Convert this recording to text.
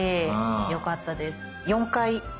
よかったです。